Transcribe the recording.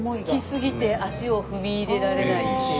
好きすぎて足を踏み入れられないっていう。